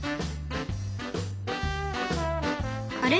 あれ？